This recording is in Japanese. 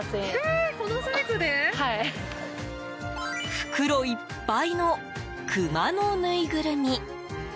袋いっぱいのクマのぬいぐるみ。